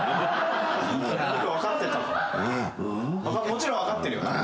もちろん分かってるよな？